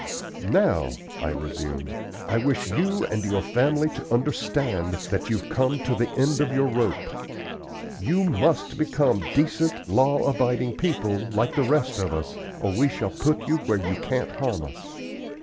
"Now," I resumed, "I wish you and your family to understand that you've come to the end of your rope. You must become decent, law abiding people, like the rest of us, or we shall put you where you can't harm us.